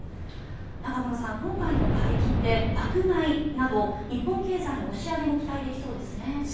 中室さん、今回の解禁で爆買いなど日本経済の押し上げも期待できそうですね。